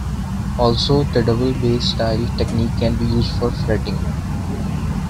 Also, the double bass-style technique can be used for fretting.